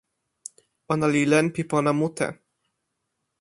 ona li len pi pona mute.